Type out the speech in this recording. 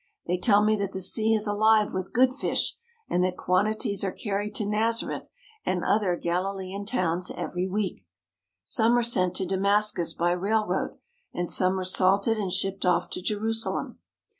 They tell me that the sea is alive with good fish and that quantities are carried to Nazareth and other Galilean towns every week. Some are sent to Damascus by railroad and some are salted and shipped off to Jerusalem.